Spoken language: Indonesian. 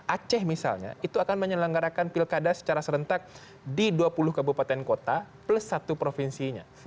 aceh misalnya itu akan menyelenggarakan pilkada secara serentak di dua puluh kabupaten kota plus satu provinsinya